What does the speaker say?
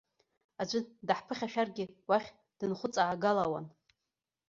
Аӡәы даҳԥыхьашәаргьы уахь дынхәыҵаагалауан.